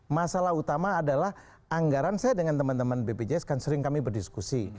masalah utama adalah anggaran saya dengan teman teman bpjs kan sering kami berdiskusi